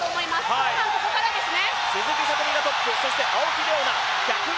後半、ここからですね。